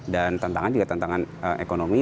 dan tantangan juga tantangan ekonomi